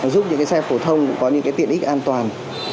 giúp những cái xe phổ thông có những cái tiện ích an toàn